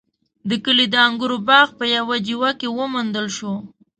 د کلي د انګورو باغ په يوه جیوه کې وموندل شو.